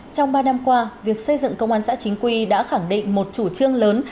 trong ba năm qua việc xây dựng công an xã chính quy đã khẳng định một chủ trương lớn